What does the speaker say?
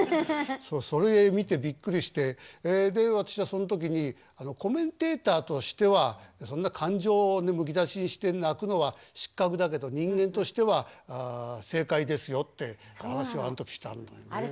そうそれ見てびっくりしてで私がその時に「コメンテーターとしてはそんな感情をむき出しにして泣くのは失格だけど人間としては正解ですよ」って話をあの時したんだよね。